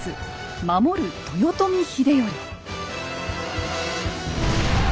守る豊臣秀頼。